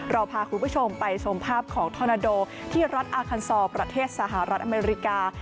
เราพาคุณผู้ชมไปชมภาพของทอนาโดที่รัฐอาคันซอร์ประเทศสหรัฐอเมริกา